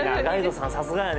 さすがやね。